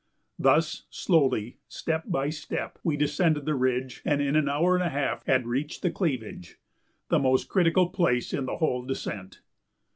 Thus, slowly, step by step, we descended the ridge and in an hour and a half had reached the cleavage, the most critical place in the whole descent.